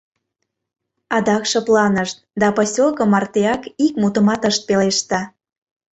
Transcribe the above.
Адак шыпланышт да посёлко мартеак ик мутымат ышт пелеште.